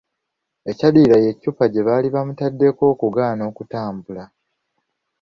Ekyaddirira y’eccupa gye baali bamutaddeko okugaana okutambula.